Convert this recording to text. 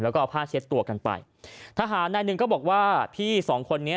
แล้วก็เอาผ้าเช็ดตัวกันไปทหารนายหนึ่งก็บอกว่าพี่สองคนนี้